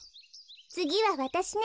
つぎはわたしね。